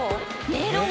メロン。